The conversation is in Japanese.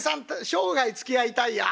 生涯つきあいたいよ